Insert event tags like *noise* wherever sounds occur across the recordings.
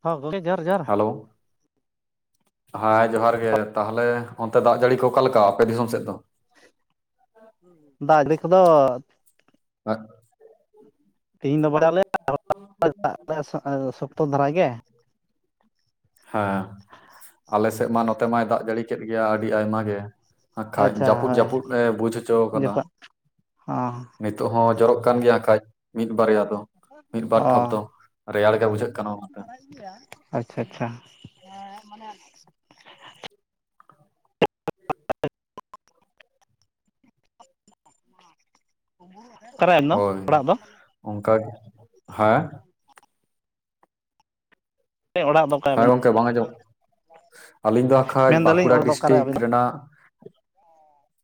ᱦᱚᱸ ᱜᱚᱢᱠᱮ ᱡᱚᱦᱟᱨ ᱡᱚᱦᱟᱨ ᱦᱮᱞᱳ ᱦᱮᱸ ᱡᱚᱦᱟᱨ ᱜᱮ ᱛᱟᱦᱚᱞᱮ ᱚᱱᱛᱮ ᱫᱟᱜ ᱡᱟᱹᱲᱤ ᱠᱚ ᱚᱠᱟ ᱞᱮᱠᱟ ᱟᱯᱮ ᱫᱤᱥᱚᱢ ᱥᱮᱫ ᱫᱚ? ᱫᱟᱜ ᱡᱟᱹᱲᱤ ᱠᱚᱫᱚ *unintelligible* ᱛᱤᱦᱤᱧ ᱫᱚ ᱵᱚᱞᱮ *unintelligible* ᱫᱟᱜ ᱫᱟᱭ ᱟᱨ ᱥᱚᱠᱛᱚ ᱫᱷᱟᱨᱟ ᱜᱮ᱾ ᱦᱮᱸ ᱟᱞᱮ ᱥᱮᱜ ᱢᱟ ᱱᱚᱛᱮ ᱢᱟᱭ ᱫᱟᱜ ᱡᱟᱹᱲᱤ ᱠᱮᱫ ᱜᱮᱭᱟ ᱟᱹᱰᱤ ᱟᱭᱢᱟ ᱜᱮ᱾ ᱦᱟᱸᱜ ᱠᱷᱟᱡ ᱟᱪᱪᱷᱟ ᱡᱟᱹᱯᱩᱫ ᱦᱳᱭ ᱡᱟᱹᱯᱩᱫ ᱮ ᱵᱩᱡ ᱦᱚᱪᱚ ᱠᱟᱫᱟ᱾ ᱚᱸ ᱱᱤᱛᱚᱜ ᱦᱚᱸ ᱡᱚᱨᱚᱜ ᱠᱟᱱ ᱜᱮᱭᱟ ᱦᱟᱸᱜ ᱠᱷᱟᱡ ᱢᱤᱫ ᱵᱟᱨᱭᱟ ᱫᱚ᱾ ᱢᱤᱫ ᱵᱟᱨ ᱚ ᱴᱷᱚᱯ ᱫᱚ ᱨᱮᱭᱟᱲ ᱜᱮ ᱵᱩᱡᱷᱟᱹᱜ ᱠᱟᱱᱟ ᱚᱱᱟᱛᱮ᱾ ᱟᱪᱪᱷᱟ ᱟᱪᱪᱷᱟ ᱦᱮᱸ ᱢᱟᱱᱮ ᱚᱠᱟᱨᱮ ᱟᱵᱤᱱ ᱫᱚ ᱦᱳᱭ ᱚᱲᱟᱜ ᱫᱚ ᱚᱱᱠᱟ ᱦᱮᱸ ᱥᱮ ᱚᱲᱟᱜ ᱫᱚ ᱚᱠᱟ ᱦᱮᱸ ᱟᱵᱤᱱ ᱜᱚᱝᱠᱮ ᱵᱟᱝ ᱟᱸᱡᱚᱢᱚᱜ, ᱟᱹᱞᱤᱧ ᱫᱚ ᱦᱟᱸᱜ ᱠᱷᱟᱡ ᱢᱮᱱᱫᱟᱞᱤᱧ ᱵᱟᱸᱠᱩᱲᱟ ᱚᱲᱟᱜ ᱫᱚ ᱚᱠᱟᱨᱮ ᱰᱤᱥᱴᱤᱠ ᱟᱵᱤᱱ ᱫᱚ ᱨᱮᱱᱟᱜ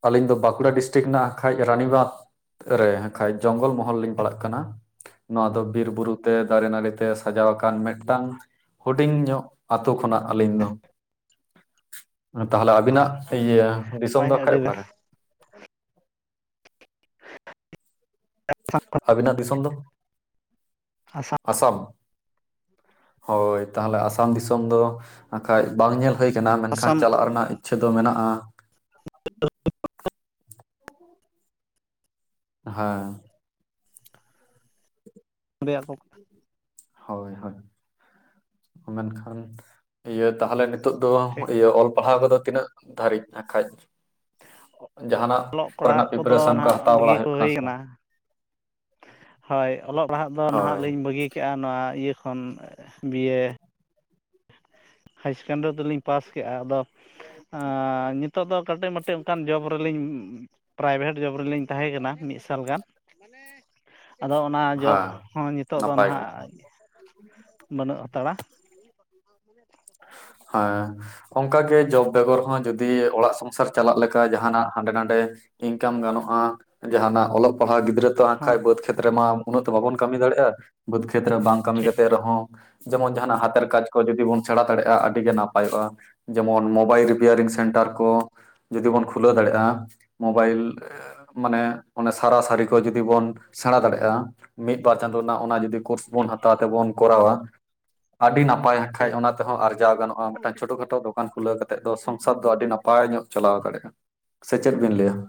ᱟᱹᱞᱤᱧ ᱫᱚ ᱵᱟᱸᱠᱩᱲᱟ ᱰᱤᱥᱴᱤᱠ ᱨᱮᱱᱟᱜ ᱠᱷᱟᱡ ᱨᱟᱱᱤᱵᱟᱸᱫᱽ ᱨᱮ ᱦᱟᱸᱜ ᱠᱷᱟᱡ ᱡᱚᱝᱜᱚᱞ ᱢᱚᱦᱚᱞ ᱞᱤᱧ ᱯᱟᱲᱟᱜ ᱠᱟᱱᱟ᱾ ᱱᱚᱣᱟ ᱫᱚ ᱵᱤᱨ ᱵᱩᱨᱩ ᱛᱮ, ᱫᱟᱨᱮ ᱱᱟᱹᱲᱤ ᱛᱮ, ᱥᱟᱡᱟᱣ ᱟᱠᱟᱱ ᱢᱤᱫᱴᱟᱝ ᱦᱩᱰᱤᱧ ᱧᱚᱜ ᱟᱛᱳ ᱠᱷᱚᱱᱟᱜ ᱟᱹᱞᱤᱧ ᱫᱚ᱾ ᱛᱟᱦᱚᱞᱮ ᱟᱵᱤᱱᱟᱜ ᱱᱟᱯᱟᱭ ᱤᱭᱟᱹ ᱫᱤᱥᱚᱢ ᱫᱚ ᱟᱹᱰᱤ ᱦᱟᱸᱜ ᱠᱷᱟᱡ ᱵᱮᱥ ᱚᱠᱟᱨᱮ *inaudible* ᱟᱵᱤᱱᱟᱜ ᱫᱤᱥᱚᱢ ᱫᱚ? ᱟᱥᱟᱢ ᱟᱥᱟᱢ ᱦᱳᱭ ᱛᱟᱦᱚᱞᱮ ᱟᱥᱟᱢ ᱫᱤᱥᱚᱢ ᱫᱚ ᱦᱟᱸᱜ ᱠᱷᱟᱡ ᱵᱟᱝ ᱧᱮᱞ ᱦᱳᱭ ᱠᱟᱱᱟ ᱢᱮᱱᱠᱷᱟᱱ ᱟᱥᱟᱢ ᱪᱟᱞᱟᱜ ᱨᱮᱱᱟᱜ ᱤᱪᱪᱷᱟᱹ ᱫᱚ ᱢᱮᱱᱟᱜᱼᱟ᱾ *unintelligible* ᱦᱮᱸ *inaudible* *unintelligible* ᱦᱳᱭ ᱦᱳᱭ ᱢᱮᱱᱠᱷᱟᱱ ᱤᱭᱟᱹ ᱛᱟᱦᱚᱞᱮ ᱱᱤᱛᱚᱜ ᱫᱚ ᱴᱷᱤᱠ ᱤᱭᱟᱹ ᱚᱞ ᱯᱟᱲᱦᱟᱣ ᱠᱚᱫᱚ ᱛᱤᱱᱟᱹᱜ ᱫᱟᱹᱨᱤᱡ ᱱᱟ ᱠᱷᱟᱡ? ᱡᱟᱦᱟᱸᱱᱟᱜ ᱚᱞᱚᱜ ᱯᱟᱲᱦᱟᱜ ᱠᱚᱨᱮᱱᱟᱜ ᱠᱚᱫᱚ ᱯᱨᱤᱯᱟᱨᱮᱥᱚᱱ ᱠᱚ ᱱᱟᱦᱟᱜ ᱦᱟᱛᱟᱣ ᱵᱟᱹᱜᱤ ᱵᱟᱲᱟ ᱠᱚ ᱦᱩᱭᱩᱜ ᱠᱟᱱᱟ ᱦᱩᱭ ᱥᱮ ᱵᱟᱝ? ᱦᱳᱭ ᱚᱞᱚᱜ ᱯᱟᱲᱦᱟᱜ ᱫᱚ ᱦᱳᱭ ᱱᱟᱦᱟᱸᱜ ᱞᱤᱧ ᱵᱟᱹᱜᱤ ᱠᱮᱜᱼᱟ ᱱᱚᱣᱟ ᱤᱭᱟᱹ ᱠᱷᱚᱱ ᱵᱤᱭᱮ᱾ ᱦᱟᱭ ᱥᱮᱠᱮᱱᱰᱟᱨᱤ ᱫᱚᱞᱤᱧ ᱯᱟᱥ ᱠᱮᱜᱼᱟ ᱟᱫᱚ ᱟᱻ ᱱᱤᱛ ᱱᱤᱛᱚᱜ ᱫᱚ ᱠᱟᱹᱴᱤᱡ ᱢᱟᱹᱴᱤᱡ ᱢᱤᱫᱴᱟᱱ ᱡᱚᱵᱽ ᱨᱮᱞᱤᱧ ᱯᱨᱟᱭᱵᱷᱮᱴ ᱡᱚᱵᱽ ᱨᱮᱞᱤᱧ ᱛᱟᱦᱮᱸ ᱠᱟᱱᱟ ᱢᱤᱫ ᱥᱟᱞ ᱜᱟᱱ᱾ ᱢᱟᱱᱮ ᱟᱫᱚ ᱚᱱᱟ ᱡᱚᱵᱽ ᱦᱮᱸ ᱦᱚᱸ ᱱᱤᱛᱳᱜ ᱫᱚ ᱱᱟᱯᱟᱭ ᱜᱮ ᱱᱟᱦᱟᱸᱜ ᱵᱟᱹᱱᱩᱜ ᱦᱟᱛᱟᱲᱟ᱾ *inaudible* ᱦᱮᱸ ᱚᱱᱠᱟ ᱜᱮ ᱡᱚᱵᱽ ᱵᱮᱜᱚᱨ ᱦᱚᱸ ᱡᱩᱫᱤ ᱚᱲᱟᱜ ᱥᱚᱝᱥᱟᱨ ᱪᱟᱞᱟᱜ ᱞᱮᱠᱟ ᱡᱟᱦᱟᱸᱱᱟᱜ ᱦᱟᱸᱰᱮ ᱱᱟᱰᱮ ᱤᱱᱠᱟᱢ ᱜᱟᱱᱚᱜᱼᱟ ᱡᱟᱦᱟᱸᱱᱟᱜ ᱚᱞᱚᱜ ᱯᱟᱲᱦᱟᱣ ᱜᱤᱫᱽᱨᱟᱹᱛ ᱛᱚ ᱟᱸᱠ ᱠᱷᱟᱡ ᱦᱚᱸ ᱵᱟᱹᱫᱽ ᱠᱷᱮᱛ ᱨᱮ ᱢᱟ ᱩᱱᱟᱹᱜ ᱫᱚ ᱵᱟᱵᱚᱱ ᱠᱟᱹᱢᱤ ᱫᱟᱲᱮᱭᱟᱜᱼᱟ ᱵᱟᱹᱫᱽ ᱠᱷᱮᱛ ᱨᱮ ᱵᱟᱝ ᱠᱟᱹᱢᱤ ᱴᱷᱤᱠ ᱠᱟᱛᱮᱫ ᱨᱮᱦᱚᱸ ᱡᱮᱢᱚᱱ ᱡᱟᱦᱟᱸᱱᱟᱜ ᱦᱟᱛᱮᱨ ᱠᱟᱡᱽ ᱠᱚ ᱡᱩᱫᱤ ᱵᱚᱱ ᱥᱮᱲᱟ ᱫᱟᱲᱮᱭᱟᱜᱼᱟ ᱟᱹᱰᱤ ᱜᱮ ᱱᱟᱯᱟᱭᱚᱜᱼᱟ ᱡᱮᱢᱚᱱ ᱢᱳᱵᱟᱭᱤᱞ ᱨᱤᱯᱮᱭᱟᱨᱤᱝ ᱥᱮᱱᱴᱟᱨ ᱠᱚ᱾ ᱡᱩᱫᱤ ᱵᱚᱱ ᱠᱷᱩᱞᱟᱹᱣ ᱫᱟᱲᱮᱭᱟᱜᱼᱟ ᱢᱚᱵᱟᱭᱤᱞ ᱮ ᱢᱟᱱᱮ ᱚᱱᱮ ᱥᱟᱨᱟ ᱥᱟᱹᱨᱤ ᱠᱚ ᱡᱩᱫᱤ ᱵᱚᱱ ᱥᱮᱬᱟ ᱫᱟᱲᱮᱭᱟᱜᱼᱟ ᱢᱤᱫᱼᱵᱟᱨ ᱪᱟᱸᱫᱳ ᱨᱮᱱᱟᱜ ᱚᱱᱟ ᱡᱩᱫᱤ ᱠᱳᱨᱥ ᱵᱚᱱ ᱴᱷᱤᱠ ᱦᱟᱛᱟᱣ ᱛᱮᱵᱚᱱ ᱠᱚᱨᱟᱣᱟ ᱟᱹᱰᱤ ᱱᱟᱯᱟᱭ ᱦᱟᱸᱠᱷᱟᱡ ᱴᱷᱤᱠ ᱚᱱᱟ ᱛᱮᱦᱚᱸ ᱟᱨᱡᱟᱣ ᱜᱟᱱᱚᱜᱼᱟ ᱢᱤᱫ ᱪᱷᱚᱴᱳ ᱠᱷᱟᱴᱳ ᱫᱚ ᱫᱚᱠᱟᱱ ᱠᱷᱩᱞᱟᱹᱣ ᱠᱟᱛᱮᱜ ᱫᱚ ᱥᱚᱝᱥᱟᱨ ᱫᱚ ᱟᱹᱰᱤ ᱱᱟᱯᱟᱭ ᱧᱚᱜ ᱪᱟᱞᱟᱣ ᱫᱟᱲᱮᱭᱟᱜᱼᱟ ᱥᱮ ᱪᱮᱫ ᱵᱤᱱ ᱞᱟᱹᱭᱮᱜᱼᱟ?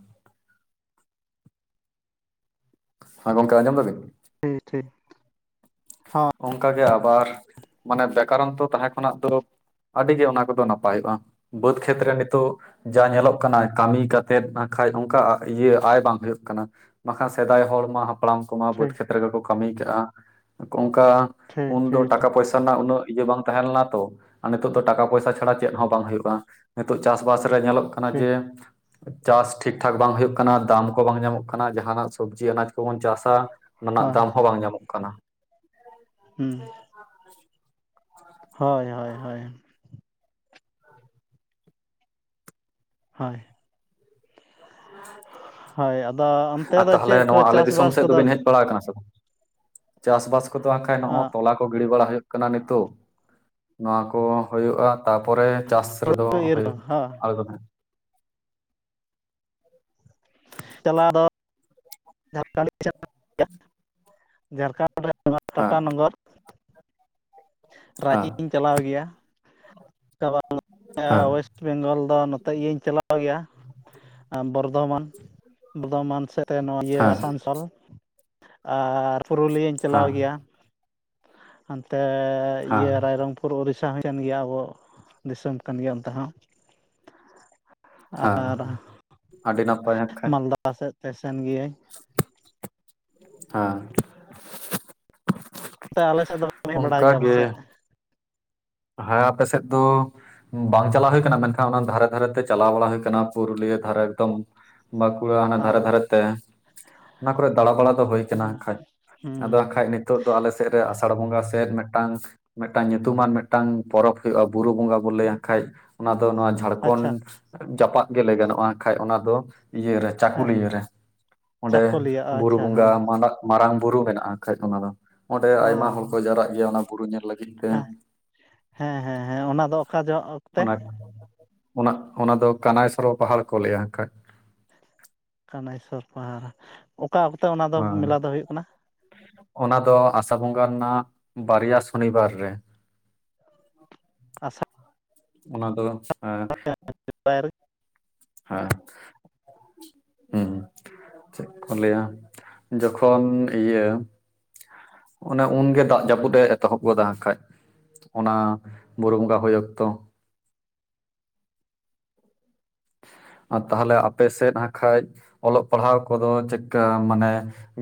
ᱦᱚᱸ ᱜᱚᱝᱠᱮ ᱟᱸᱡᱚᱢ ᱫᱟ ᱵᱤᱱ? ᱴᱷᱤ ᱴᱷᱤ ᱚᱱᱠᱟ ᱜᱮ ᱟᱵᱟᱨ ᱢᱟᱱᱮ ᱵᱮᱠᱟᱨᱚᱱᱛᱚ ᱛᱟᱦᱮᱸ ᱠᱷᱚᱱᱟᱜ ᱫᱚ ᱟᱹᱰᱤ ᱜᱮ ᱚᱱᱟ ᱠᱚᱫᱚ ᱱᱟᱯᱟᱭᱚᱜᱼᱟ ᱵᱟᱹᱫᱽ ᱠᱷᱮᱛᱨᱮ ᱱᱤᱛᱚᱜ ᱡᱟ ᱧᱮᱞᱚᱜ ᱠᱟᱱᱟ ᱠᱟᱹᱢᱤ ᱠᱟᱛᱮᱜ ᱵᱟᱠᱷᱟᱡ ᱚᱱᱠᱟ ᱤᱭᱟᱹ ᱟᱭ ᱵᱟᱝ ᱦᱩᱭᱩᱜ ᱠᱟᱱᱟ ᱵᱟᱠᱷᱟᱱ ᱥᱮᱫᱟᱭ ᱦᱚᱲ ᱢᱟ ᱦᱟᱯᱲᱟᱢ ᱠᱚᱢᱟ ᱵᱟᱹᱫᱽ ᱴᱷᱤᱠ ᱠᱷᱮᱛᱨᱮ ᱜᱮᱠᱚ ᱠᱟᱹᱢᱤ ᱠᱟᱜᱼᱟ, ᱚᱱᱠᱟ ᱴᱷᱤᱠ ᱩᱱᱫᱚ ᱴᱷᱤᱠ ᱴᱟᱠᱟ ᱴᱷᱤᱠ ᱯᱚᱭᱥᱟ ᱨᱮᱱᱟᱜ ᱩᱱᱟᱹᱜ ᱤᱭᱟᱹ ᱵᱟᱝ ᱛᱟᱦᱮᱸ ᱞᱮᱱᱟ ᱛᱚ᱾ ᱟ ᱱᱤᱛᱚᱜ ᱫᱚ ᱴᱟᱠᱟ ᱯᱚᱭᱥᱟ ᱪᱷᱟᱰᱟ ᱪᱮᱜ ᱦᱚᱸ ᱵᱟᱝ ᱦᱩᱭᱩᱜᱼᱟ ᱱᱤᱛᱚᱜ ᱪᱟᱥᱼᱵᱟᱥ ᱨᱮ ᱧᱮᱞᱚᱜ ᱠᱟᱱᱟ ᱴᱷᱤᱠ ᱡᱮ ᱪᱟᱥ ᱴᱷᱤᱠ ᱴᱷᱟᱠ ᱵᱟᱝ ᱦᱩᱭᱩᱜ ᱠᱟᱱᱟ, ᱫᱟᱢ ᱠᱚ ᱵᱟᱝ ᱧᱟᱢᱚᱜ ᱠᱟᱱᱟ ᱡᱟᱦᱟᱸᱱᱟᱜ ᱥᱚᱵᱽᱡᱤ ᱟᱱᱟᱡᱽ ᱠᱚᱵᱚᱱ ᱪᱟᱥᱟ ᱚᱱᱟ ᱨᱮᱱᱟᱜ ᱦᱳᱭ ᱫᱟᱢ ᱦᱚᱸ ᱵᱟᱝ ᱧᱟᱢᱚᱜ ᱠᱟᱱᱟ ᱾ ᱦᱩᱸ *inaudible* ᱦᱳᱭ ᱦᱳᱭ ᱦᱳᱭ ᱾ ᱦᱳᱭ ᱦᱳᱭ ᱟᱫᱚ ᱚᱱᱛᱮ ᱟ ᱫᱚ ᱪᱮᱫ ᱛᱟᱦᱞᱮ ᱠᱚ ᱱᱚᱣᱟ ᱟᱞᱮ ᱫᱤᱥᱚᱢ ᱪᱟᱥᱵᱟᱥ ᱥᱮᱫ ᱠᱚᱫᱚ ᱫᱚᱵᱤᱱ ᱦᱮᱡ ᱵᱟᱲᱟ ᱟᱠᱟᱱᱟ ᱥᱮ ᱵᱟᱝ? ᱪᱟᱥ ᱵᱟᱥ ᱠᱚᱫᱚ ᱵᱟᱠᱷᱟᱡ ᱱᱚᱜᱼᱚᱭ ᱛᱚᱞᱟ ᱠᱚ ᱜᱤᱲᱤ ᱵᱟᱲᱟ ᱦᱩᱭᱩᱜ ᱠᱟᱱᱟ ᱱᱤᱛᱚᱜ, ᱱᱚᱣᱟ ᱠᱚ ᱦᱩᱭᱩᱜᱼᱟ ᱛᱟᱯᱚᱨᱮ ᱪᱟᱥ ᱨᱮᱫᱚ *unintelligible* ᱤᱨ ᱠᱚ ᱦᱚᱸ *unintelligible* *inaudible* ᱪᱟᱞᱟ *unintelligible* *unintelligible* ᱡᱷᱟᱲᱠᱷᱚᱸᱰ ᱨᱮᱱᱟᱜ *unintelligible* ᱦᱮᱸ ᱴᱟᱴᱟ ᱱᱚᱜᱚᱨ ᱦᱮᱸ ᱨᱟᱸᱪᱤᱧ ᱪᱟᱞᱟᱣ ᱜᱮᱭᱟ ᱦᱮᱸ *unintelligible* *unintelligible* ᱵᱮᱝᱜᱚᱞ ᱫᱚ ᱱᱚᱛᱮ ᱤᱭᱟᱹᱧ ᱪᱟᱞᱟᱣ ᱜᱮᱭᱟ, ᱵᱚᱨᱫᱚᱢᱟᱱ ᱵᱚᱨᱫᱚᱢᱟᱱ ᱥᱮ *unintelligible* *unintelligible* ᱱᱚᱣᱟ ᱤᱭᱟᱹ ᱦᱮᱸ ᱟᱥᱟᱱᱥᱳᱞ ᱟᱨ ᱯᱩᱨᱩᱞᱤᱭᱟᱹᱧ ᱪᱟᱞᱟᱣ ᱦᱮᱸ ᱜᱮᱭᱟ᱾ ᱦᱚᱱᱛᱮ ᱤᱭᱟᱹ ᱦᱮᱸ ᱨᱟᱭᱨᱚᱝ *unintelligible* ᱯᱩᱨ ᱩᱲᱤᱥᱟ ᱦᱚᱸ ᱠᱟᱱ ᱜᱮᱭᱟ ᱟᱵᱚ ᱫᱤᱥᱚᱢ ᱠᱟᱱ ᱜᱮᱭᱟ ᱚᱱᱛᱮ ᱦᱚᱸ ᱦᱮᱸ ᱟᱨ ᱟᱹᱰᱤ ᱱᱟᱯᱟᱭ ᱦᱟᱸᱜᱠᱷᱟᱡ ᱢᱟᱞᱫᱟ ᱥᱮᱫ ᱛᱮ ᱥᱮᱱ ᱜᱮᱭᱟᱹᱧ ᱾ *inaudible* ᱦᱟᱸ ᱛᱮ ᱟᱞᱮ ᱥᱮᱫ ᱫᱚ ᱦᱮᱡ ᱵᱟᱲᱟᱜ ᱜᱮᱭᱟ ᱚᱱᱠᱟᱜᱮ ᱯᱟᱥᱮᱡ? ᱦᱮᱸ ᱟᱯᱮ ᱥᱮᱫ ᱫᱚ? ᱵᱟᱝ ᱪᱟᱞᱟᱣ ᱦᱩᱭᱟᱱᱟ ᱢᱮᱱᱠᱷᱟᱱ ᱚᱱᱟ ᱫᱷᱟᱨᱮ ᱫᱷᱟᱨᱮ ᱛᱮ ᱪᱟᱞᱟᱣ ᱵᱟᱲᱟ ᱦᱩᱭ ᱠᱟᱱᱟ ᱯᱩᱨᱩᱞᱤᱭᱟᱹ ᱫᱷᱟᱨᱮ ᱮᱠᱫᱚᱢ ᱵᱟᱠᱩᱲᱟ ᱦᱟᱱᱟ ᱫᱷᱟᱨᱮ ᱦᱚᱸ ᱫᱷᱟᱨᱮ ᱛᱮ, ᱚᱱᱟ ᱠᱚᱨᱮ ᱫᱟᱲᱟ ᱵᱟᱲᱟ ᱫᱚ ᱦᱩᱭ ᱦᱩᱸ ᱟᱠᱟᱱᱟ ᱠᱷᱟᱡ ᱟᱫᱚ ᱦᱩᱸ ᱠᱷᱟᱡ *unintelligible* ᱱᱤᱛᱚᱜ ᱫᱚ ᱟᱞᱮᱮᱥᱮᱫ ᱨᱮ *unintelligible* ᱟᱥᱟᱲ ᱵᱚᱸᱜᱟ ᱥᱮᱫ ᱢᱤᱫᱴᱟᱝ ᱢᱤᱫᱴᱟᱝ ᱧᱩᱛᱩᱢᱟᱱ ᱢᱤᱫᱴᱟᱝ *unintelligible* *unintelligible* ᱴᱟᱝ ᱯᱚᱨᱚᱵᱽ ᱦᱩᱭᱩᱜᱼᱟ ᱵᱩᱨᱩ ᱵᱚᱸᱜᱟ ᱵᱚᱱ ᱞᱟᱹᱭᱟ ᱠᱷᱟᱡ ᱚᱱᱟ ᱫᱚ ᱱᱚᱣᱟ ᱡᱷᱟᱲᱠᱷᱚᱸᱰ? ᱟᱪᱪᱷᱟ ᱡᱟᱯᱟᱜ ᱜᱮ ᱞᱟᱹᱭ ᱜᱟᱱᱚᱜᱼᱟ ᱠᱷᱟᱡ ᱚᱱᱟ ᱫᱚ ᱤᱭᱟᱹ ᱨᱮ? ᱦᱮᱸ ᱠᱩᱞᱤᱭᱟᱹ ᱨᱮ ᱚᱸᱰᱮ ᱪᱟᱹᱠᱩᱞᱤᱭᱟᱹ ᱵᱩᱨᱩ ᱟᱪᱪᱷᱟ ᱵᱚᱸᱜᱟ ᱦᱮᱸ ᱢᱟᱨᱟᱝ ᱵᱩᱨᱩ ᱢᱮᱱᱟᱜᱼᱟ ᱠᱷᱟᱡ ᱚᱱᱟ ᱫᱚ ᱾ ᱚᱸᱰᱮ ᱚ ᱟᱭᱢᱟ ᱦᱚᱲ ᱠᱚ ᱡᱟᱣᱨᱟᱜ ᱜᱮᱭᱟ ᱚᱱᱟ ᱵᱩᱨᱩ ᱧᱮᱞ ᱞᱟᱹᱜᱤᱫ ᱛᱮ᱾ ᱦᱮᱸ ᱦᱮᱸ ᱦᱮᱸ ᱦᱮᱸ ᱚᱱᱟ ᱫᱚ ᱚᱠᱟ ᱡᱚᱜ? ᱚᱱᱟ, ᱚᱱᱟ, ᱚᱱᱟ ᱫᱚ ᱠᱟᱱᱟᱭ ᱥᱚᱨᱚ ᱯᱟᱦᱟᱲ ᱠᱚ ᱞᱟᱹᱭᱟ ᱠᱷᱟᱡ᱾ ᱠᱟᱱᱦᱟᱭᱥᱚᱨ ᱯᱟᱦᱟᱲ ᱚᱠᱟ ᱚᱠᱛᱮ ᱚᱱᱟ ᱫᱚ ᱦᱮᱸ ᱢᱮᱞᱟ ᱫᱚ ᱦᱩᱭᱩᱜ ᱠᱟᱱᱟ? ᱚᱱᱟ ᱫᱚ ᱟᱥᱟ ᱵᱚᱸᱜᱟ ᱨᱮᱱᱟᱜ ᱵᱟᱨᱭᱟ ᱥᱚᱱᱤᱵᱟᱨ ᱨᱮ ᱾ ᱟᱥᱟ *unintelligible* ᱚᱱᱟ ᱫᱚ ᱮᱸ ᱯᱟᱨ *unintelligible* *unintelligible* ᱪᱮᱜ ᱠᱚ ᱞᱟᱹᱭᱟ ᱡᱚᱠᱷᱚᱱ ᱤᱭᱟᱹ? ᱚᱱᱮ ᱩᱱᱜᱮ ᱫᱟᱜ ᱡᱟᱹᱯᱩᱫ ᱮ ᱮᱛᱚᱦᱚᱵ ᱜᱚᱫᱟ ᱦᱟᱸᱜ ᱠᱷᱟᱡ, ᱚᱱᱟ ᱵᱩᱨᱩ ᱵᱚᱸᱜᱟ ᱦᱳᱭ ᱚᱠᱛᱚ᱾ ᱟᱨ ᱛᱟᱦᱞᱮ ᱟᱯ ᱥᱮᱫ ᱦᱟᱸᱜ ᱠᱷᱟᱡ ᱚᱞᱚᱜ ᱯᱟᱲᱦᱟᱣ ᱠᱚᱫᱚ ᱪᱮᱫ ᱠᱟ ᱢᱟᱱᱮ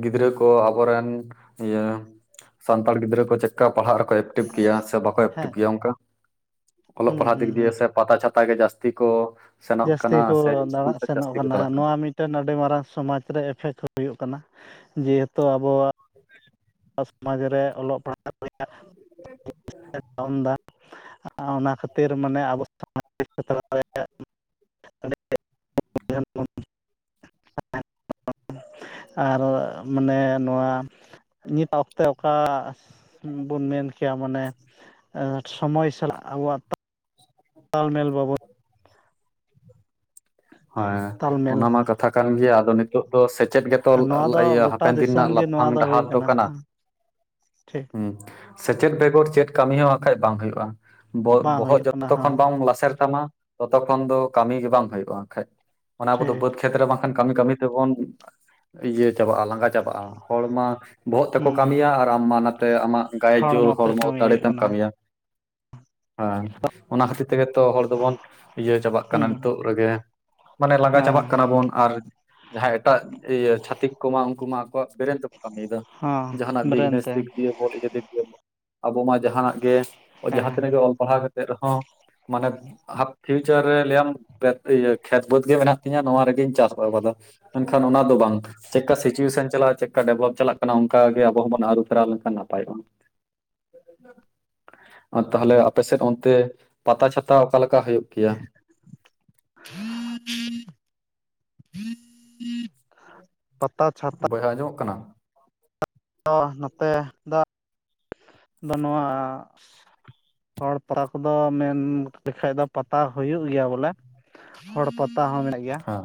ᱜᱤᱫᱽᱨᱟᱹ ᱠᱚ ᱟᱵᱚ ᱨᱮᱱ ᱤᱭᱟᱹ ᱥᱟᱱᱛᱟᱲ ᱜᱤᱫᱽᱨᱟᱹ ᱠᱚ ᱪᱮᱫ ᱠᱟ ᱯᱟᱲᱦᱟᱜ ᱨᱮᱠᱚ ᱮᱠᱴᱤᱵᱷ ᱜᱮᱭᱟ ᱥᱮ ᱵᱟ ᱠᱚ ᱠᱚ ᱦᱮᱸ ᱮᱠᱴᱤᱵᱷ ᱜᱮᱭᱟ ᱚᱱᱠᱟ ᱚᱞᱚᱜ ᱦᱩᱸ ᱯᱟᱲᱦᱟᱜ ᱫᱤᱠ ᱦᱩᱸ ᱦᱩᱸ ᱫᱤᱭᱮ ᱥᱮ ᱯᱟᱛᱟ ᱪᱷᱟᱛᱟ ᱜᱮ ᱡᱟᱹᱥᱛᱤ ᱠᱚ ᱥᱮᱱᱚᱜ ᱠᱟᱱᱟ ᱡᱟᱹᱥᱛᱤ ᱥᱮ ᱠᱚ ᱤᱥᱠᱩᱞ ᱫᱟᱲᱟᱱ ᱥᱮᱫ ᱥᱮᱱᱚᱜ ᱡᱟᱹᱥᱛᱤ ᱠᱚ ᱠᱟᱱᱟ ᱪᱟᱞᱟᱜ ᱱᱚᱣᱟ ᱢᱤᱫ ᱴᱮᱱ ᱟᱹᱰᱤ ᱢᱟᱨᱟᱝ ᱥᱚᱢᱟᱡᱽ ᱨᱮ ᱮᱯᱷᱮᱠᱴ ᱦᱳᱭᱳᱜ ᱠᱟᱱᱟ ᱡᱮ ᱦᱮᱛᱩ ᱟᱵᱚᱣᱟᱜ *inaudible* ᱟᱵᱚᱣᱟᱜ ᱥᱚᱢᱟᱡᱽ ᱨᱮ ᱚᱞᱚᱜ ᱯᱟᱲᱦᱟᱣ *unintelligible* ᱚᱱᱟ ᱠᱷᱟᱹᱛᱤᱨ ᱢᱟᱱᱮ ᱟᱵᱚ *unintelligible* ᱟᱨᱚ ᱢᱟᱱᱮ ᱱᱚᱣᱟ, ᱢᱤᱫ ᱚᱠᱛᱮ ᱚᱠᱟ ᱵᱚᱱ ᱢᱮᱱ ᱠᱮᱭᱟ ᱢᱟᱱᱮ ᱥᱳᱢᱳᱭ ᱥᱟᱞᱟᱜ ᱟᱵᱚᱣᱟᱜ ᱛᱟᱞᱢᱮᱞ ᱵᱟᱵᱚ *inaudible* ᱦᱚᱭ ᱛᱟᱞᱢᱮᱞ ᱚᱱᱟ ᱢᱟ ᱠᱟᱛᱷᱟ ᱠᱟᱱ ᱜᱮᱭᱟ ᱟᱫᱚ ᱱᱤᱛ ᱱᱤᱛᱚᱜ ᱫᱚ ᱥᱮᱪᱮᱫ ᱜᱮᱛᱚ ᱱᱚᱣᱟ ᱫᱚ ᱜᱚᱴᱟ ᱦᱟᱯᱮᱱ ᱫᱤᱱ ᱨᱮᱱᱟᱜ ᱫᱤᱥᱚᱢ ᱜᱮ ᱱᱚᱣᱟ ᱞᱟᱯᱷᱟᱝ ᱦᱩᱭ ᱰᱟᱦᱟᱨ ᱫᱚ ᱠᱟᱱᱟ᱾ ᱴᱷᱤᱠ ᱦᱩᱸ ᱥᱮᱪᱮᱫ ᱵᱮᱜᱚᱨ ᱪᱮᱫ ᱠᱟᱹᱢᱤ ᱦᱚᱸ ᱦᱟᱸᱜ ᱠᱷᱟᱡ ᱵᱟᱝ ᱦᱳᱭᱳᱜᱼᱟ᱾ ᱵᱟᱝ ᱵᱚᱦᱚᱜ ᱦᱩᱭᱩᱜ ᱠᱟᱱᱟ ᱡᱚᱛᱚ ᱠᱷᱚᱱ ᱦᱚᱸ ᱵᱟᱢ ᱞᱟᱥᱮᱨ ᱛᱟᱢᱟ ᱛᱚᱛᱚ ᱠᱷᱚᱱ ᱫᱚ ᱠᱟᱹᱢᱤ ᱜᱮ ᱵᱟᱝ ᱦᱳᱭᱳᱜᱼᱟ᱾ *unintelligible* ᱚᱱᱟ ᱠᱚ ᱫᱚ ᱴᱷᱤᱠ ᱵᱟᱹᱛ *unintelligible* ᱠᱷᱮᱛ ᱨᱮ ᱵᱟᱝ ᱠᱷᱟᱱ ᱠᱟᱹᱢᱤ ᱠᱟᱹᱢᱤ ᱛᱮ ᱵᱚᱱ ᱤᱭᱟᱹ ᱪᱟᱵᱟᱜᱼᱟ ᱞᱟᱸᱜᱟ ᱪᱟᱵᱟᱜᱼᱟ ᱦᱚᱲ ᱢᱟ ᱵᱚᱦᱚᱜ ᱛᱮᱠᱚ ᱦᱩᱸ ᱠᱟᱹᱢᱤᱭᱟ ᱟᱨ ᱟᱢ ᱱᱟᱛᱮ ᱟᱢᱟᱜ ᱜᱟᱭᱮ ᱡᱳᱨ ᱛᱮ ᱦᱚᱲᱢᱚ ᱠᱟᱹᱢᱤ ᱫᱟᱲᱮ ᱦᱩᱭᱩᱜ ᱛᱮᱢ ᱠᱟᱱᱟ ᱠᱟᱹᱢᱤᱭᱟ᱾ ᱦᱮᱸ ᱚᱱᱟ ᱠᱷᱟᱹᱛᱤᱨ ᱛᱮᱜᱮ ᱛᱚ ᱦᱚᱲ ᱫᱚᱵᱚᱱ ᱤᱭᱟᱹ ᱪᱟᱵᱟᱜ ᱠᱟᱱᱟ ᱦᱩᱸ ᱱᱤᱛᱚᱜ ᱨᱮᱜᱮ ᱢᱟᱱᱮ ᱞᱟᱸᱜᱟ ᱦᱮᱸ ᱪᱟᱵᱟᱜ ᱠᱟᱱᱟ ᱵᱚᱱ ᱟᱨ ᱡᱟᱸᱦᱟᱭ ᱮᱴᱟᱜ ᱪᱷᱟᱛᱤᱠ ᱠᱚᱢᱟ ᱩᱱᱠᱩ ᱢᱟ ᱟᱠᱚᱣᱟᱜ ᱵᱮᱨᱮᱱ ᱛᱮᱠᱚ ᱠᱟᱹᱢᱤ ᱮᱫᱟ᱾ ᱦᱚᱸ ᱡᱟᱦᱟ ᱱᱟᱜ ᱵᱨᱮᱱ ᱵᱤᱜᱽᱱᱮᱥ ᱛᱮ ᱫᱤᱠ ᱫᱤᱭᱮ ᱵᱚᱞ ᱤᱭᱟᱹ ᱫᱤᱠ ᱫᱮ ᱵᱚᱞ, ᱟᱵᱚ ᱢᱟ ᱡᱟᱦᱟ ᱱᱟᱜ ᱜᱮ ᱡᱟᱦᱟ ᱦᱮᱸ ᱛᱤᱱᱟᱹᱜ ᱜᱮ ᱚᱞ ᱯᱟᱲᱦᱟᱣ ᱨᱮᱦᱚᱸ ᱢᱟᱱᱮ *unintelligible* ᱯᱷᱤᱭᱩᱪᱟᱨ ᱨᱮ ᱞᱟᱹᱭ ᱟᱢ *unintelligible* ᱠᱷᱮᱛ ᱵᱟᱹᱫᱽ ᱜᱮ ᱢᱮᱱᱟᱜ ᱛᱤᱧᱟᱹ ᱱᱚᱣᱟ ᱨᱮ‌ ᱜᱮᱧ ᱪᱟᱥ ᱟᱵᱟᱫᱟ ᱢᱮᱱ ᱠᱷᱟᱱ ᱚᱱᱟ ᱫᱚ ᱵᱟᱝ, ᱪᱮᱫ ᱠᱟ ᱥᱤᱪᱩᱭᱮᱥᱚᱱ ᱪᱟᱞᱟᱜᱼᱟ ᱪᱮᱫ ᱠᱟ ᱰᱮᱵᱷᱞᱚᱯ ᱪᱟᱞᱟᱜ ᱠᱟᱱᱟ ᱚᱱᱠᱟ ᱜᱮ ᱟᱵᱚ ᱦᱚᱸ ᱵᱚᱱ ᱟᱹᱨᱩ ᱯᱷᱮᱨᱟᱣ ᱞᱮᱱ ᱠᱷᱟᱱ ᱱᱟᱯᱟᱭᱚᱜᱼᱟ᱾ *inaudible* ᱟᱨ ᱛᱟᱦᱞᱮ ᱟᱯᱮ ᱥᱮᱫ ᱚᱱᱛᱮ ᱯᱟᱛᱟ ᱪᱷᱟᱛᱟ ᱚᱠᱟ ᱞᱮᱠᱟ ᱦᱳᱭᱳᱜ ᱜᱮᱭᱟ? *inaudible* *inaudible* ᱪᱷᱟᱛᱟ ᱵᱚᱭᱦᱟ ᱟᱸᱡᱚᱢᱚᱜ ᱠᱟᱱᱟ? *unintelligible* ᱱᱚᱛᱮ *unintelligible* ᱫᱚ ᱱᱚᱣᱟ ᱦᱚᱲ ᱯᱟᱛᱟ ᱠᱚᱫᱚ ᱢᱮᱱ ᱞᱮᱠᱷᱟᱡ ᱫᱚ ᱯᱟᱛᱟ ᱦᱳᱭᱳᱜ ᱜᱮᱭᱟ ᱵᱚᱞᱮ᱾ ᱦᱚᱲ ᱯᱟᱛᱟ ᱦᱚᱸ ᱢᱮᱱᱟᱜ ᱜᱮᱭᱟ᱾ ᱦᱮᱸ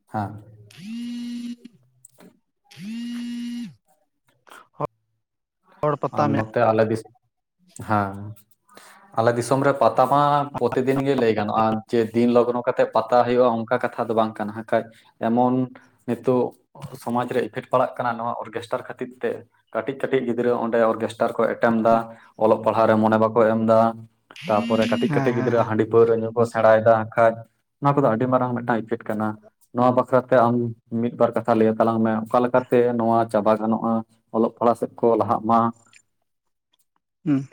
*unintelligible* *inaudible* ᱦᱚᱲ ᱯᱟᱛᱟ ᱟᱨ ᱢᱮᱱᱟᱜ ᱱᱚᱛᱮ ᱟᱞᱮ ᱫᱤᱥᱚᱢ ᱦᱮᱸ ᱟᱞᱮ ᱫᱤᱥᱚᱢ ᱨᱮ ᱯᱟᱛᱟ ᱢᱟ, ᱯᱚᱛᱤ ᱫᱤᱱ ᱜᱮ ᱞᱟᱹᱭ ᱜᱟᱱᱚᱜᱼᱟ ᱡᱮ ᱫᱤᱱ ᱞᱚᱜᱱᱚ ᱠᱟᱛᱮᱫ ᱯᱟᱛᱟ ᱦᱳᱭᱳᱜᱼᱟ ᱚᱱᱠᱟ ᱠᱟᱛᱷᱟ ᱫᱚ ᱵᱟᱝ ᱠᱟᱱᱟ ᱦᱟᱸᱜ ᱠᱷᱟᱡ ᱮᱢᱚᱱ ᱱᱤᱛᱚᱜ ᱥᱚᱢᱟᱡᱽ ᱨᱮ ᱤᱯᱷᱮᱠᱴ ᱯᱟᱲᱟᱜ ᱠᱟᱱᱟ ᱱᱚᱣᱟ ᱚᱨᱜᱮᱥᱴᱟᱨ ᱠᱷᱟᱹᱛᱤᱨ ᱛᱮ ᱠᱟᱹᱴᱤᱡ ᱠᱟᱹᱴᱤᱡ ᱜᱤᱫᱽᱨᱟᱹ ᱚᱨᱜᱮᱥᱴᱟᱨ ᱠᱚ ᱮᱴᱮᱢ ᱫᱟ ᱚᱞᱚᱜ ᱯᱟᱲᱦᱟᱜ ᱨᱮ ᱢᱚᱱᱮ ᱵᱟᱠᱚ ᱮᱢ ᱫᱟ᱾ ᱛᱟᱯᱚᱨᱮ ᱠᱟᱹᱴᱤᱡ ᱦᱮᱸ ᱠᱟᱹᱴᱤᱡ ᱦᱮᱸ ᱜᱤᱫᱽᱨᱟᱹ ᱦᱟᱹᱰᱤ ᱯᱟᱹᱣᱨᱟᱹ ᱧᱩ ᱠᱚ ᱥᱮᱲᱟᱭ ᱫᱟ ᱦᱟᱸᱜ ᱠᱷᱟᱡ᱾ ᱱᱚᱣᱟ ᱠᱚᱫᱚ ᱟᱹᱰᱤ ᱢᱟᱨᱟᱝ ᱢᱤᱫ ᱴᱟᱝ ᱤᱯᱷᱮᱠᱴ ᱠᱟᱱᱟ᱾ ᱱᱚᱣᱟ ᱵᱟᱠᱷᱨᱟ ᱛᱮ ᱟᱢ ᱢᱤᱫ ᱵᱟᱨ ᱠᱟᱛᱷᱟ ᱞᱟᱹᱭ ᱟᱛᱟᱞᱟᱝ ᱢᱮ ᱚᱠᱟ ᱞᱮᱠᱟ‌ᱛᱮ ᱱᱚᱣᱟ ᱪᱟᱵᱟ ᱜᱟᱱᱚᱜᱼᱟ᱾ ᱚᱞᱚᱜ ᱯᱟᱲᱦᱟᱜ ᱥᱮᱫ ᱠᱚ ᱞᱟᱦᱟᱜ ᱢᱟ᱾ ᱦᱩᱸ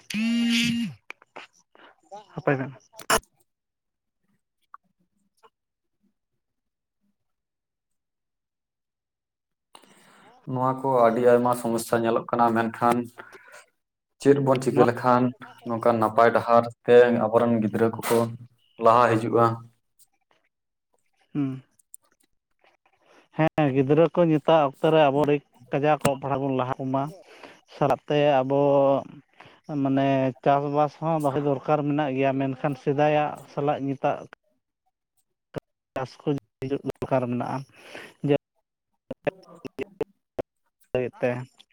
*inaudible* *unintelligible* ᱱᱚᱣᱟ ᱠᱚ ᱟᱹᱰᱤ ᱟᱭᱢᱟ ᱥᱚᱢᱚᱥᱟ ᱧᱮᱞᱚᱜ ᱠᱟᱱᱟ ᱢᱮᱱᱠᱷᱟᱱ ᱪᱮᱫ ᱵᱚᱱ ᱪᱤᱠᱟᱹ ᱱᱚᱣᱟ ᱞᱮᱠᱷᱟᱱ? ᱱᱚᱝᱠᱟᱱ ᱱᱟᱯᱟᱭ ᱰᱟᱦᱟᱨ ᱛᱮ ᱟᱵᱚᱨᱮᱱ ᱜᱤᱫᱽᱨᱟᱹ ᱠᱚᱠᱚ ᱞᱟᱦᱟ ᱦᱤᱡᱩᱜᱼᱟ᱾ ᱦᱩᱸ ᱦᱮᱸ ᱜᱤᱫᱽᱨᱟᱹ ᱠᱚ ᱱᱮᱛᱟᱨ ᱚᱠᱛᱚ ᱨᱮ ᱟᱵᱚ ᱠᱟᱡᱟᱠ ᱚᱞᱚᱜ ᱯᱟᱲᱦᱟᱜ ᱵᱚᱱ ᱞᱟᱦᱟ ᱠᱚ ᱢᱟ᱾ ᱥᱟᱞᱟᱜ ᱛᱮ ᱟᱵᱚ ᱢᱟᱱᱮ ᱪᱟᱥᱼᱵᱟᱥ ᱦᱚᱸ ᱫᱚᱦᱚᱭ ᱫᱚᱨᱠᱟᱨ ᱢᱮᱱᱟᱜ ᱜᱮᱭᱟ ᱢᱮᱱᱠᱷᱟᱱ ᱥᱮᱫᱟᱭᱟᱜ ᱥᱟᱞᱟᱜ ᱱᱤᱛᱟᱜ ᱪᱟᱥ ᱠᱚ ᱦᱤᱡᱩᱜ ᱫᱚᱨᱠᱟᱨ ᱢᱮᱱᱟᱜᱼᱟ᱾ *inaudible* *unintelligible* *unintelligible* *unintelligible*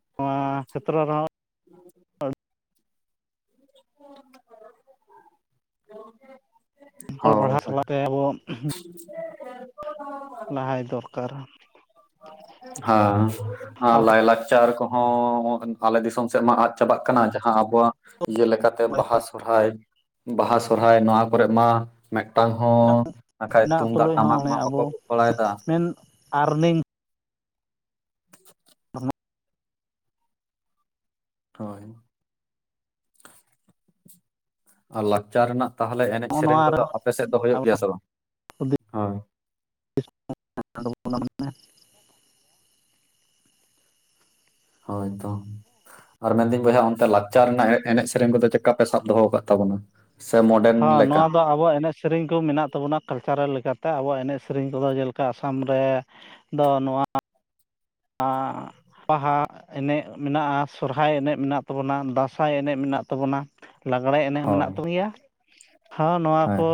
ᱱᱚᱣᱟ ᱠᱷᱮᱛᱨᱚ ᱨᱮᱦᱚᱸ, ᱦᱳᱭ *unintelligible* ᱚᱞ ᱦᱳᱭ ᱯᱟᱲᱦᱟᱣ ᱦᱳᱭ ᱥᱟᱞᱟᱜ ᱛᱮ ᱟᱵᱚ ᱞᱟᱦᱟᱭ ᱫᱚᱨᱠᱟᱨ᱾ ᱦᱟ ᱟᱨ ᱟᱵᱚ ᱞᱟᱭ ᱞᱟᱠᱪᱟᱨ ᱠᱚᱦᱚᱸ ᱦᱚᱸ ᱟᱞᱮ ᱫᱤᱥᱚᱢ ᱥᱮᱫ ᱢᱟ ᱟᱫᱽ ᱪᱟᱵᱟᱜ ᱠᱟᱱᱟ᱾ ᱡᱟᱦᱟᱸ ᱟᱵᱚᱣᱟᱜ ᱡᱮ ᱞᱮᱠᱟᱛᱮ ᱵᱟᱦᱟ ᱥᱚᱨᱦᱟᱭ ᱵᱟᱦᱟ, ᱥᱚᱨᱦᱟᱭ ᱱᱚᱣᱟ ᱠᱚᱨᱮ ᱢᱟ ᱢᱤᱫᱴᱟᱝ ᱦᱚᱸ ᱵᱟᱠᱷᱟᱡ ᱦᱮᱱᱟᱜ ᱛᱩᱢᱫᱟᱜ ᱛᱩᱞᱩᱡ ᱴᱟᱢᱟᱠ ᱢᱟ ᱵᱟᱠᱚ ᱜᱚᱜ ᱵᱟᱲᱟᱭ ᱫᱟ᱾ ᱟᱨ ᱞᱤᱝ ᱱᱚᱜᱼᱚ ᱦᱳᱭ ᱟᱨ ᱞᱟᱠᱪᱟᱨ ᱨᱮᱱᱟᱜ ᱛᱟᱦᱚᱞᱮ ᱮᱱᱮᱡ ᱥᱮᱨᱮᱧ ᱱᱚᱣᱟ ᱨᱮ ᱠᱚᱫᱚ ᱟᱯᱮ ᱥᱮᱫ ᱫᱚ ᱦᱩᱭᱩᱜ ᱟᱵᱚ ᱜᱮᱭᱟ ᱥᱮ ᱵᱟᱝ? ᱦᱳᱭ, ᱴᱷᱤᱠ ᱴᱷᱟᱠ ᱩᱰᱩᱝ ᱵᱚᱞᱚᱱ ᱢᱮ᱾ ᱦᱳᱭ ᱛᱚ, ᱟᱨ ᱢᱮᱱ ᱫᱟᱹᱧ ᱵᱚᱭᱦᱟ ᱚᱱᱛᱮ ᱞᱟᱠᱪᱟᱨ ᱨᱮᱱᱟᱜ ᱮᱱᱮᱡ ᱥᱮᱨᱮᱧ ᱠᱚᱫᱚ ᱪᱮᱫᱠᱟ ᱯᱮ ᱥᱟᱵ ᱫᱚᱦᱚᱸ ᱠᱟᱫ ᱛᱟᱵᱚᱱᱟ? ᱥᱮ ᱢᱚᱰᱮᱱ ᱦᱚᱸ ᱞᱮᱠᱟ? ᱱᱚᱣᱟ ᱫᱚ ᱟᱵᱚᱣᱟᱜ ᱮᱱᱮᱡ ᱥᱮᱨᱮᱧ ᱠᱚ ᱢᱮᱱᱟᱜ ᱛᱟᱵᱚᱱᱟ ᱠᱟᱞᱪᱟᱨᱟᱞ ᱞᱮᱠᱟᱛᱮ᱾ ᱟᱵᱚᱣᱟᱜ ᱮᱱᱮᱡ ᱥᱮᱨᱮᱧ ᱠᱚᱫᱚ ᱡᱮᱞᱮᱠᱟ ᱟᱥᱟᱢ ᱨᱮ ᱫᱚ ᱱᱚᱣᱟ ᱟᱸᱻ ᱵᱟᱦᱟ ᱮᱱᱮᱡ ᱢᱮᱱᱟᱜ-ᱟ, ᱥᱚᱨᱦᱟᱭ ᱮᱱᱮᱡ ᱢᱮᱱᱟᱜ ᱛᱟᱵᱚᱱᱟ, ᱫᱟᱸᱥᱟᱭ ᱮᱱᱮᱡ ᱢᱮᱱᱟᱜ ᱛᱟᱵᱚᱱᱟ᱾ ᱞᱟᱜᱽᱲᱮ ᱮᱱᱮᱡ ᱢᱮᱱᱟᱜ ᱦᱳᱭ ᱛᱟᱵ ᱜᱮᱭᱟ᱾ ᱦᱚᱸ ᱱᱚᱣᱟ ᱦᱮᱸ ᱠᱚ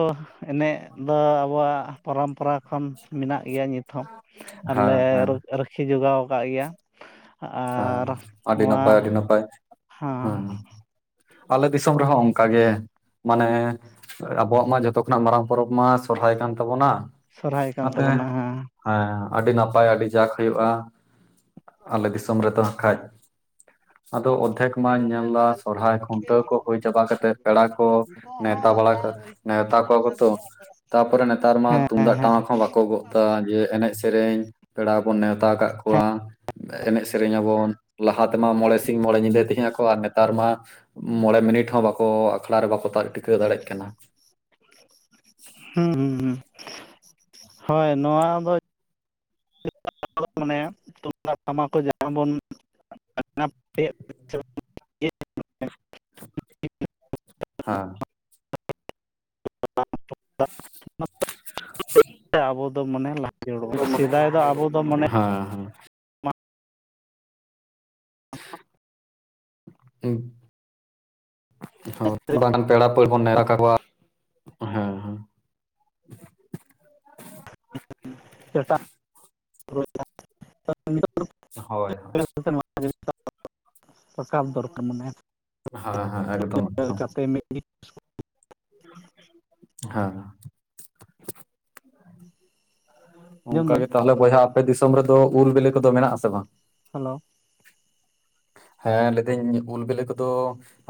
ᱮᱱᱮᱡ ᱫᱚ ᱟᱵᱚᱣᱟᱜ ᱯᱚᱨᱚᱢᱯᱚᱨᱟ ᱠᱷᱚᱱ ᱢᱮᱱᱟᱜ ᱜᱮᱭᱟ ᱱᱤᱛ᱾ ᱦᱚᱸ ᱟᱨᱞᱮ ᱦᱮᱸ ᱦᱮᱸ ᱨᱩᱠ ᱨᱟᱹᱠᱷᱤᱭᱟᱹ ᱡᱚᱜᱟᱣ ᱠᱟᱜ ᱜᱮᱭᱟ᱾ ᱦᱮᱸ ᱟᱨ ᱟᱹᱰᱤ ᱱᱚᱣᱟ ᱱᱟᱯᱟᱭ ᱟᱹᱰᱤ ᱱᱟᱯᱟᱭ ᱦᱮᱸ, ᱟᱞᱮ ᱫᱤᱥᱚᱢ ᱨᱮᱦᱚᱸ ᱚᱱᱠᱟᱜᱮ ᱢᱟᱱᱮ ᱟᱵᱚᱣᱟᱜ ᱢᱟ ᱡᱷᱚᱛᱚ ᱠᱷᱚᱱᱟᱜ ᱢᱟᱨᱟᱝ ᱯᱚᱨᱚᱵᱽ ᱢᱟ ᱥᱚᱨᱦᱟᱭ ᱠᱟᱱ ᱛᱟᱵᱚᱱᱟ᱾ ᱥᱚᱨᱦᱟᱭ ᱠᱟᱱ ᱚᱱᱟᱛᱮ ᱛᱟᱵᱚᱱᱟ ᱦᱮᱸ᱾ ᱦᱮᱸ ᱟᱹᱰᱤ ᱱᱟᱯᱟᱭ, ᱟᱹᱰᱤ ᱡᱟᱠ ᱦᱩᱭᱩᱜ-ᱟ ᱟᱞᱮ ᱫᱤᱥᱚᱢ ᱨᱮᱫᱚ ᱱᱟᱠᱷᱟᱡ ᱟᱫᱚ ᱚᱫᱷᱮᱠ ᱤᱧ ᱦᱮᱸ ᱢᱟᱧ ᱧᱮᱞᱫᱟ ᱥᱚᱨᱦᱟᱭ ᱠᱷᱩᱱᱴᱟᱹᱣ ᱠᱚ ᱦᱩᱭ ᱪᱟᱵᱟ ᱠᱟᱛᱮᱫ ᱯᱮᱲᱟ ᱠᱚ ᱱᱮᱣᱛᱟ ᱵᱟᱲᱟ ᱠᱟ ᱱᱮᱣᱛᱟ ᱠᱚᱣᱟ ᱠᱚ ᱛᱚ ᱛᱟᱯᱚᱨᱮ ᱱᱮᱛᱟᱨ ᱢᱟ ᱛᱩᱢᱫᱟᱜ ᱴᱟᱢᱟᱠ ᱦᱚᱸ ᱵᱟᱠᱚ ᱜᱚᱜ ᱮᱫᱟ ᱡᱮ ᱮᱱᱮᱡ ᱥᱮ ᱥᱮᱨᱮᱧ ᱯᱮᱲᱟ ᱵᱚᱱ ᱱᱮᱣᱛᱟ ᱠᱟᱜ ᱠᱚᱣᱟ ᱮᱱᱮᱡ ᱥᱮ ᱥᱮᱨᱮᱧ ᱟᱵᱚᱱ ᱞᱟᱦᱟ ᱛᱮᱢᱟ ᱢᱚᱬᱮ ᱥᱤᱧ ᱢᱚᱬᱮ ᱧᱤᱫᱟᱹ ᱮᱱᱮᱡ ᱟᱠᱚ ᱟᱨ ᱱᱮᱛᱟᱨ ᱢᱟ ᱢᱚᱬᱮ ᱢᱤᱱᱤᱴ ᱦᱚᱸ ᱵᱟᱠᱚ ᱟᱠᱷᱲᱟ ᱨᱮ ᱵᱟᱠᱚ ᱛᱟᱦᱮᱸ ᱴᱤᱠᱟᱹᱣ ᱫᱟᱲᱮᱭᱟᱜ ᱠᱟᱱᱟ᱾ ᱦᱩᱸ ᱦᱩᱸ ᱦᱳᱭ ᱱᱚᱣᱟ ᱫᱚ ᱱᱚᱣᱟ ᱫᱚ ᱢᱚᱱᱮ ᱛᱩᱢᱫᱟᱜ ᱴᱟᱢᱟᱠ ᱠᱚ ᱡᱟᱦᱟᱸ ᱵᱚᱱ ᱦᱮᱸ *unintelligible* *unintelligible* ᱟᱵᱚ ᱫᱚ ᱢᱚᱱᱮ ᱞᱟᱦᱟ ᱛᱷᱤᱭᱟᱹ ᱩᱰᱩᱜ ᱵᱚᱱᱟᱭ ᱥᱮᱫᱟᱭ ᱫᱚ ᱟᱵᱚ ᱫᱚ ᱢᱟᱱᱮ ᱦᱟᱸ ᱦᱟᱸ ᱦᱩᱸ ᱦᱳᱭ ᱵᱟᱝᱜᱟᱱ ᱯᱮᱲᱟ ᱯᱟᱹᱲᱦᱟᱹ ᱵᱚ ᱱᱮᱲᱟ ᱠᱟᱠᱚᱣᱟ᱾ ᱦᱮᱸ ᱦᱮᱸ ᱥᱮᱛᱟᱜ ᱦᱩᱭᱱᱟ, ᱦᱳᱭ ᱦᱳᱭ, *unintelligible* ᱨᱟᱠᱟᱟᱨ ᱫᱚᱨᱠᱟᱨ ᱢᱟᱱᱮ ᱦᱮᱸ ᱦᱮᱸ ᱮᱠᱫᱚᱢ *unintelligible* ᱮᱠᱫᱚᱢ ᱞᱮᱠᱟᱛᱮ ᱢᱤᱜ ᱱ *unintelligible* ᱦᱮᱸ ᱚᱱᱠᱟ ᱫᱟᱹᱧ ᱜᱮ ᱛᱟᱦᱚᱞᱮ ᱵᱚᱭᱦᱟ ᱟᱯᱮ ᱫᱤᱥᱚᱢ ᱨᱮᱫᱚ ᱩᱞ ᱵᱤᱞᱤ ᱠᱚᱫᱚ ᱢᱮᱱᱟᱜ ᱟᱥᱮ ᱵᱟᱝ? ᱦᱟᱞᱳ ᱦᱮᱸ ᱞᱟᱹᱭᱫᱟᱹᱧ ᱩᱞ ᱵᱤᱞᱤ ᱠᱚᱫᱚ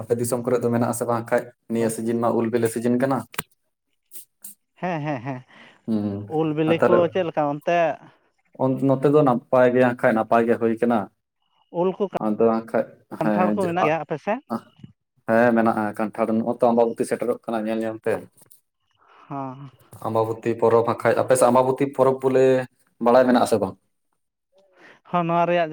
ᱟᱯᱮ ᱫᱤᱥᱚᱢ ᱠᱚᱨᱮ ᱫᱚ ᱢᱮᱱᱟᱜ ᱟᱥᱮ ᱵᱟᱝ ᱠᱷᱟᱡ? ᱱᱤᱭᱟᱹ ᱥᱤᱡᱤᱱ ᱢᱟ ᱩᱞ ᱵᱤᱞᱤ ᱥᱤᱡᱤᱱ ᱠᱟᱱᱟ᱾ ᱦᱮᱸ ᱦᱮᱸ ᱦᱮᱸ ᱦᱩᱸ ᱩᱞ ᱟᱨ ᱵᱤᱞᱤ ᱠᱚ ᱛᱟᱦᱚᱞᱮ ᱪᱮᱫ ᱞᱮᱠᱟ ᱚᱱᱛᱮ ᱱᱚᱛᱮ ᱫᱚ ᱱᱟᱯᱟᱭ ᱜᱮ ᱦᱟᱜ ᱠᱷᱟᱡ ᱱᱟᱯᱟᱭ ᱜᱮ ᱦᱩᱭ ᱠᱟᱱᱟ᱾ ᱩᱞ ᱠᱚ ᱟᱫᱚ ᱮᱱᱟ ᱠᱷᱟᱡ ᱠᱟᱱᱴᱷᱟᱲ ᱦᱮᱸ ᱠᱚ ᱢᱮᱱᱟᱜ ᱜᱮᱭᱟ *unintelligible* ᱟᱯᱮ ᱥᱮᱫ ᱦᱮᱸ ᱢᱮᱱᱟᱜᱼᱟ ᱠᱟᱱᱴᱷᱟᱲ ᱱᱚᱜᱼ ᱛᱚ ᱟᱢᱵᱟᱵᱤ ᱥᱮᱴᱮᱨᱚᱜ ᱠᱟᱱᱟ ᱧᱮᱞ ᱧᱮᱞ ᱛᱮ᱾ ᱦᱚᱸ ᱟᱢᱵᱟᱵᱚᱛᱤ ᱯᱚᱨᱚᱵᱽ ᱵᱟᱠᱷᱟᱡ ᱟᱯᱮᱥᱮᱜ ᱟᱢᱵᱟᱵᱚᱛᱤ ᱯᱚᱨᱚᱵᱽ ᱵᱚᱞᱮ ᱵᱟᱲᱟᱭ ᱢᱮᱱᱟᱜ ᱟᱥᱮ ᱵᱟᱝ? ᱦᱚᱸ ᱱᱚᱣᱟ ᱨᱮᱭᱟᱜ ᱡᱟᱦᱟᱸ